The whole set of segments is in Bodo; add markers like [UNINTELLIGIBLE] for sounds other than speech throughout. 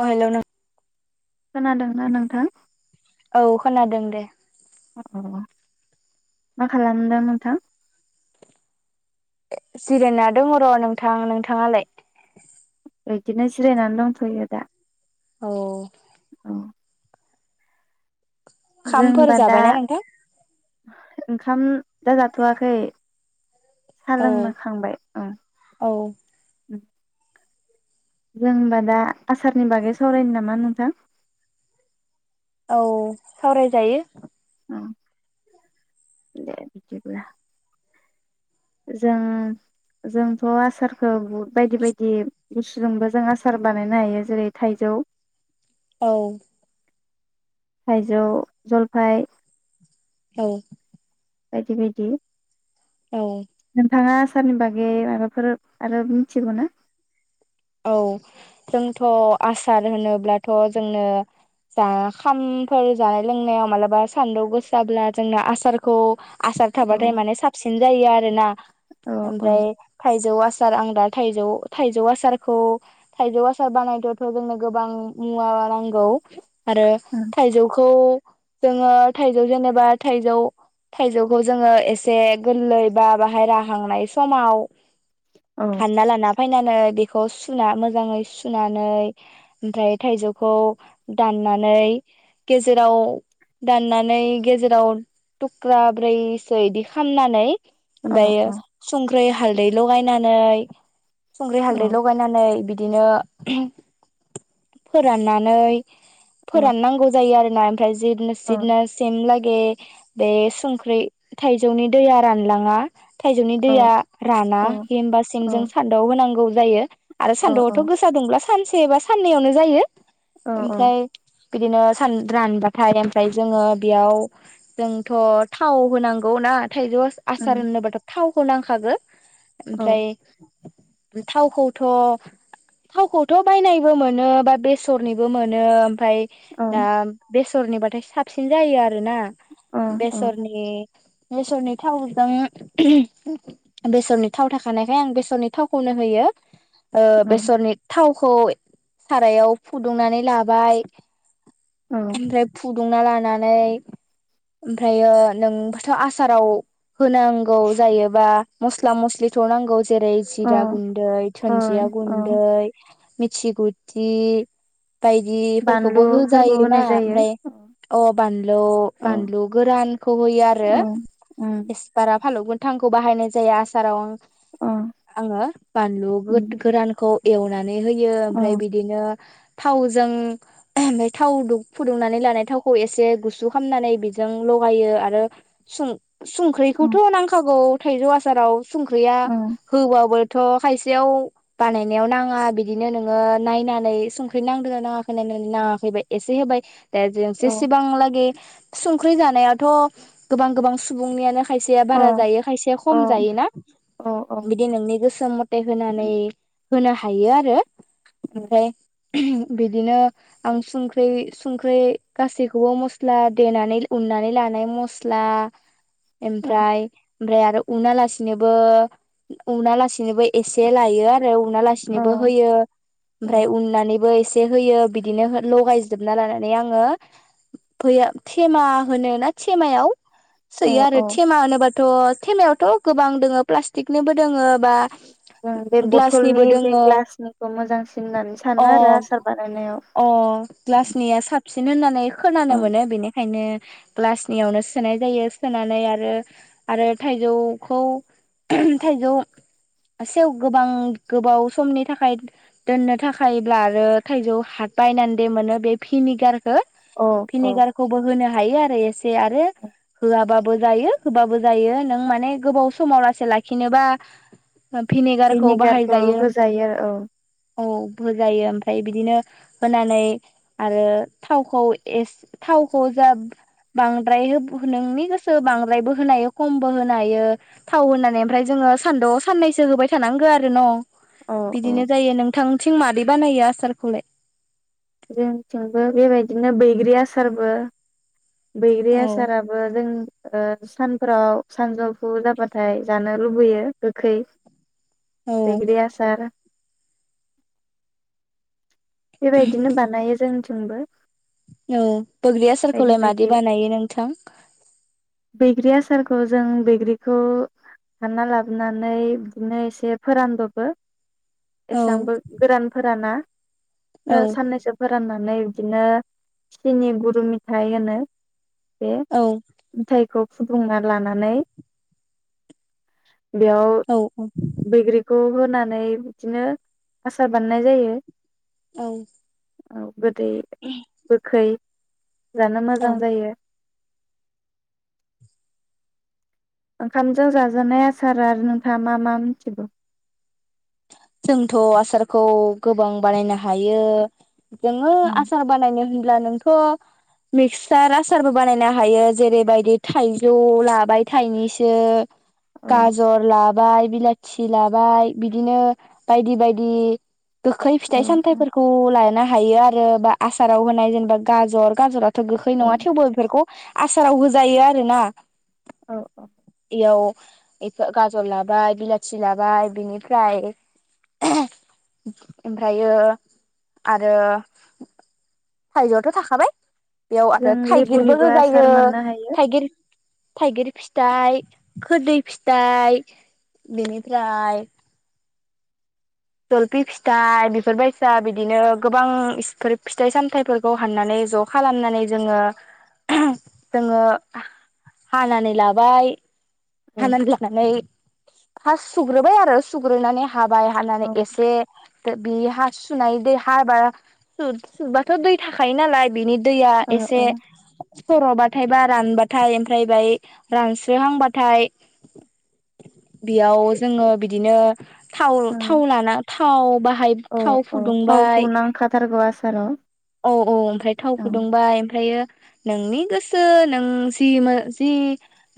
अ हेल नों खोनादोंना नोंथां? औ खोनादों दे। अ मा खालामदों नोंथां? जिरायना दङ र नोंथां नोंथाङालाय? बिब्दिनो जिरायनानै दंथयो दा। औ। औ जों खामफोर होनबा दा जाबायना नोंथां? ओंखाम दा जाथवाखै। साहा औ लोंखांबाय ओं। औ जों होनबा दा आसारनि बागै सावरायनो नामा नोंथां? औ सावरायजायो। अ दे बिदिब्ला जों जोंथ आसारखौ बहुद बायदि बायदि बुसतुजोंबो जों आसार बानायनो हायो जेरै थाइजौ औ। थाइजौ जलफाइ औ। बायदि बायदि। औ। नोंथाङा आसारनि बागै माबाफोर आरो मिथिगौ ना? औ जोंथ आसार होनोब्लाथ जोंनो जा खामफोर जानाय लोंनायाव मालाबा सान्दुं गोसाब्ला जोंना आसारखौ आसार औ थाबाथाय माने साबसिन जायो आरो ना औ ओमफ्राय औ थाइजौ आ [UNINTELLIGIBLE] आं दा थाइजौ थाइजौ आसार खौ थाइजौ आसार बानायनायावथ जोंनो गोबां मुवा नांगौ। आरो थाइजौखौ जोङो थाइजौ जेनेबा थाइजौ थाइजौखौ जोङो एसे गोरलै बा बाहाय राहांनाय समाव औ हानना लाना फैनानै खौ सुना मोजाङै सुनानै ओमफ्राय थाइजौखौ दाननानै गेजेराव दाननानै गेजेराव थुख्रा ब्रैसो इदि खालामनानै ओमफ्राय संख्रै हा हालदै लगायनानै लगायनानै बि दिनो फोराननानै फोराननांगौ जायो आरो [UNINTELLIGIBLE] जेब्ला जेब्लासिम लागि बे बे संख्रि थाइजौनि दैया रानलाङा थायजौनि दैया राना होमबा सिम जों सान्दुंवाव होनांगौ। जायो। आरो सान्दुआथ गोसा दंब्ला सानसे से बा साननैयावनो जायो। ओमफ्राय बिदिनो सान रानबाथाय ओमफ्राय जोङो बेयाव जोंथ थाव होनांगौ ना थायजौ आसार होननो बाथ थाव खौ नांखागो ओमफ्राय थावखौथ' थावखौथ' बायनायबो मोनो बा बेसरनिबो मोनो। फाय दा बेसरनिबाथाय साबसिन जायो आरोना बेसरनि बेसरनि थावजों बेसरनि थाव थाखानायखाइ आं बेसरनि थाव खनो होयो। ओ बेसरनि थाव खौ सारायाव फुदुंनानै लाबाय ओमफ्राय फु दुंना लानानै ओमफ्राय नोंबाथ' आसाराव होनांगौ जायोबा मस्ला मस्लि थनांगौ जेरै जिरा गुन्दै, थुुनजिया गुन्दै मिथि गुथि बायदिफोरखौबो बानलु फोरबो होजायोना होनाय जायो ओमफ्राय औ अ बानलु बानलु औ गोरानखौ होयो आरो उम एस्रा फालौ गो थांखौ बाहायनाय जायो आसाराव ओं अ आङो बानलु उम गो-गोरान खौ एवना नै होयो अ ओमफ्राय बिदिनो थावजों थाव फुदुंनानै लानाय थावखौ एसे गुसु खालामामनानै बेजों लगायो आरो सुं सुंख्रैखौथ उम नांखागौ थाइजौ आसासाराव। संख्रिया अ औ होबाबो थ खायसेयाव बानायनायाव नाङा बिदिनो नोङो नायनानै संख्रि नांदोना नाङाखै नायनानै नाङाखैबा एसे होबाय दा जों जेसेबां लागि संख्रि जानायाथ गोबां गोबां सुबुंनियानो खायसेया अ औ बारा जायो खायसेया खम उम जायोना? उम बिदि नोंनि गोसो मथे हैनानै होनो हायो आरो औ ओमफ्राय बिदिनो आं सुंख्रै सुंख्रे गासैखौबो मस्ला देनानै उननानै लानाय मस्ला औ ओमफ्राय ओमफ्राय आरो उना लासिनोबो उना लासि नोबो एसे लायो ओमफ्राय उना लासिनोबो होयो ओमफ्राय उननानैबो एसे एसे होयो बिदिनो लगायजोबना लानानै आङो फै थेमा होनो ना थेमायाव सोयो औ आरो औ थेमा होनोबा थ थेमायावथ गोबां दोङो प्लास्टिकनोबो दोङ बा जों बे ग्लासनिबो बथलनि बे दोङो ग्लासनिखौ मोजांसिन होननानै अ सानो आरो आसार अ बानायनायाव। ग्लासनिया [UNINTELLIGIBLE] खोनानो औ मोनो बेनिखायनो ग्लासनियावनो सोनाय जायो सोनानै आरो आरो थाइजौखौ थाइजौ सेव गोबां गोबाव समनि थाखाय दोननो थाखायब्ला आरो थाइजौ हा बायनानै दे मोनो बे भिनिगार हो औ भिनिगारखौबो होनो हा हायो आरो एसे आरो औ होआबाबो जायो होबाबो जायो नों माने गोबाव समाव लासै लाखिनोबा भिनेगारखौ बाहायजायो होजायो आरो औ होजायो ओमफ्राय बिदिनो होनानै आरो थावखौ एस थावखौ जा बांद्राय नोंनि गोसो बांद्रायबो होनो हायो खमबो होनो हायो थाव होनानै ओमफ्राय जोङो सानदुं साननैसो होबाय थानांगौ आरो न। औ औ बिदिनो जायो नोंथां। थिं मादै बानायो आसारखौलाय? जोंथिंबो बेबायदिनो बैग्रि आसारबो बैग्रि औ आसाराबो जों ओ सानफोराव सानजौफु जाबाथाय जानो लुबैयो गोखै। औ बैग्रि आसार। बेबायदिनो बानायो जोंथिंबो। औ बोग्रि बायदि आसारखौलाय मादि बायदि बानायो नोंथां? खौ जों बैग्रिखौ हानना लाबोनानै बिदिनो एसे फोरानदबो औ एसेबांबो गोरान फोराना। फुरा औ साननैसो फोराननानै नै बिदिनो सिनि गुरु मेथाइ होनो बे औ मेथाइखौ फुदुंना लानानै। बेयाव औ बैग्रिखौ होननानै बिदिनो आसार बानायनाय जायो। औ। औ। गोदै गोखै। जानो औ मोजां जायो। ओंखामजों जाजानाय आसार आरो नोंथाङा मा मा मिथिगौ? जोंथ' आसारखौ गोबां बानायनो हायो जोङो औ आसार बानायनो होन अब्ला नोंथ' मिक्ससार आसारबो बानायनो हायो जेरैबायदि थाइजौ लाबाय थाइनैसो औ गाजर लाबाय बिलाथि थि लाबाय बिदिनो बायदि बायदि गोखै औ फिथाइ सामथाइफोरखौ लानो हायो आरो रो बा आसाराव होनाय जेनेबा गाजर गाजरा थ' गोखै नङा थेवबो बेफोरखौ आसाराव होजायो आरो ना औ औ इयाव इखो गाजर लाबाय बिलाथि लाबाय बेनिफ्राय ओमफ्रायो आरो थाइजौआथ' थाखाबाय। बेयाव आरो जों थाइगिरबो लेबुनिबो आसार होजायो मोननो हायो थाइगिर थाइगिर फिथाइ खोरदै फिथाइ बेनिफ्राय जलफि फिथाइ बेफोरबायसा बिदिनो गोबां इसफोर फिथाइ सामथायाइफोरखौ हाननानै ज' खालामनानै जोङो जोङो हानानै लाबाय। औ हानानै लानानै फास सुग्रोबाय आरो सग्रोनानानै हाबाय हानानै औ एसे बे हा सुनाय दै हाबा सु-सुबाथ' दै थाखायो नालाय बिनि दैया एसे सर'बा ओमफायबा रानबाथाय ओमफ्राय बाय रानस्रोहांबा थाय बेयाव जोङो बिदिनो थाव औ थाव लाना थाव बाहाय औ थाव औ थावखौ फुदुंबाय नांखाथारगौ आसाराव औ औ ओमफ्राय थाव फुदुंबाय ओमफ्रायो नोंनि गोसो नों जि मो जि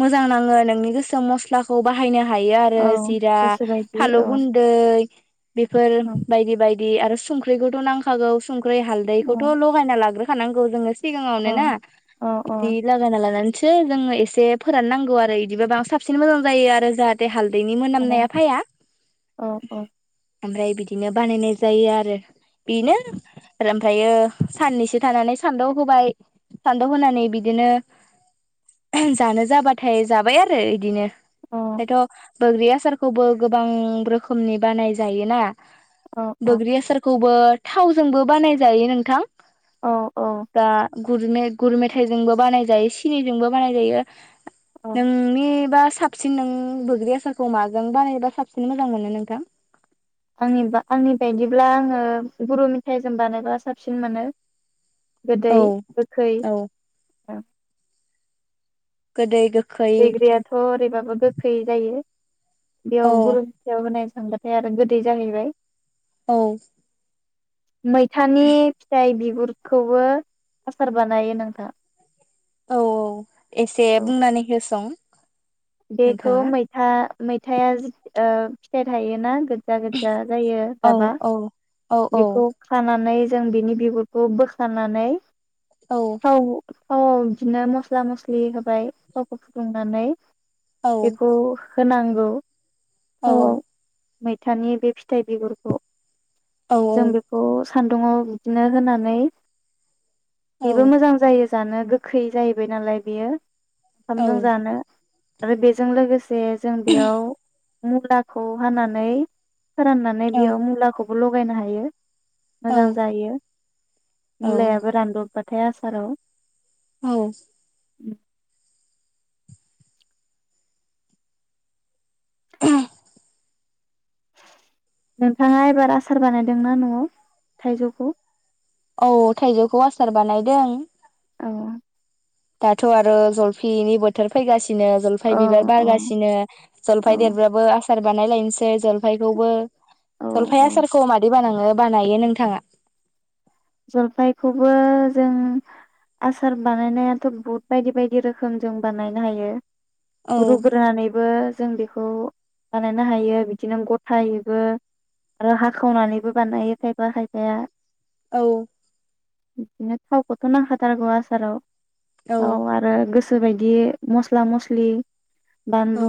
मोजां नाङो नों नोंनि गोसो मस्लाखौ बाहायानो हायो आरो औ जिरा गोसोबायदि फालौ औ गुन्दै बेफोर औ बायदि बाय दि आरो सुंख्रिखौथ' नांखागौ सुंख ख्रै औ हालदैखौथ' लगायना लाग्रो थानांगौ जोङो सिगाङावनो औ ना औ औ इदि लागायना लानानै सो जोङो एसे फोरान नांगौ आरो इदिबा बां साबसिन मोजां जायो आरो जाहाथे हाल दैनि औ मोनामनाया फाया। औ औ ओमफ्राय बिदिनो बानायनाय जायो आरो बेनो ओमफायो साननैसो थानानै सान्दाव होबाय सान्दाव होनानै बिदिनो जानो जाबाथाय जाबाय आरो इदिनो। बेथ औ बोग्रि आसारखौबो गोबां रोखोमनि बानाय जायोना? बोग्रि आसारखौबो थावजोंबो बानाय जायो नोंथां। औ औ गुर मे गुर मेथाइजोंबो बानाय जायो सिनिजोंबो बानाय जायो। औ नोंनिबा साबसिन नों बोग्रि आसारखौ माजों बानायबा साबसिन मोजां मोनो नोंथां? आंनिबा आंनि बायदिब्ला आङो गुरु मेथाइजों बानायबा साबसिन मोनो। औ गोदै गोखै औ गोदै गो बैग्रियाथ ओरैबाबो गोखै जायो। औ बेयाव गुरू मेथायाव होनो थांबाथाय आरो गोदै जाहैबाय। औ मैथानि फिथाइ बिगुद खौबो आसार बानायो नोंथा। औ औ एसे बुंनानै होसं। बेखौ नोंथाङा मैथा मैथाया फिथाइ थायोना? गोदजा गोदजा जायो औ गाबा। औ औ औ बेखौ खाना नै जों बिनि बिगुरखौ बोखानानै औ थावआव बिदिनो मस्ला मस्लि होबाय थावखौ फुदुंनानै औ बेखौ होनांगौ। औ थावआव मैथानि बे फिथाइ बिगुरखौ औ जों बेखौ सान्दुङाव बिदिनो होनानै बेबो मोजां जायो। जानो गोखै जाहैबाय नालाय बेयो। औ ओंखामजों जानो। आरो बेजों लोगोसे जे जों बेयाव मुलाखौ हानानै फोराननानै बेयाव मुलाखौ लगायनो हायो। औ मोजां जायो औ मुलायाबो रानदब ओमफ्राय आसाराव औ। उ नोंथाङा एबार आसार बानायदोंना नआव थाइजौखौ? औ थाइजौखौ आसार बानायदों। औ। दाथ आरो जलफिनि बोथोर फैगासिनो नो जलफाय औ बिबार औ बारगासिनो औ जलफाय देरबाबो आसार बानायलायनोसै जलफायखौबो औ जलफाय औ आसारखौ मादि बानाङो बानायो नोंथाङा? जलफायखौबो जों आसार बानायनायाथ बहुत बायदि बायदि रोखोम जों बानायनो हायो। औ रुग्रोनानैबो जों बे खौ बानायनो हायो बिदिनो गथायैबो आरो हाखावनानैबो बानायो खायफा खायफाया। औ। बिदिनो थावखौथ नांखाथारगौ आसाराव। औ आरो गोस गोसोबायदि मस्ला मस्लि औ बानलु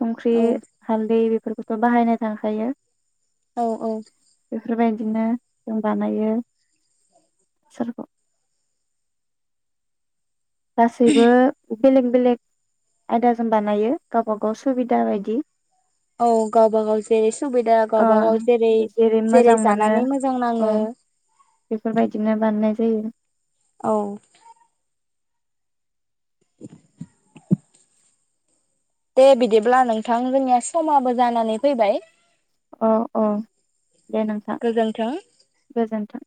संख्रि औ हालदै बेफोर बेथ बाहायनाय थाखायो। औ औ। बिदिनो जों बानायो। सोरख गासैबो बेलेगनि बेलेग आयदाजों बानायो गावबा गाव सुबिदा बायदि औ गावबा गाव जेरै सुबिदा अ गावबा गाव जेरै जेरै मोजां मोनो जानानै मोजां अ नाङो उम। औ। [INAUDIBLE] दे बिदिब्ला नोंथां जोंनिया समाबो जानानै फैबाय अ अ। दे नोंथां गोजोन्थों। गोजोन्थों।